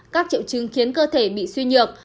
các triệu chứng khiến cơ thể bị suy nhược